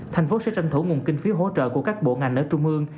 thành phố sẽ tranh thủ nguồn kinh phí hỗ trợ của các bộ ngành ở trung ương